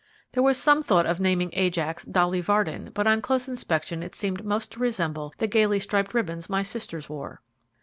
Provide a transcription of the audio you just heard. There was some thought of naming Ajax, Dolly Varden; but on close inspection it seemed most to resemble the gayly striped ribbons my sisters wore.